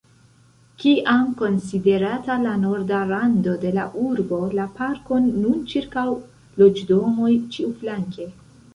Kiam konsiderata la norda rando de la urbo, la parkon nun ĉirkaŭ loĝdomoj ĉiuflanke.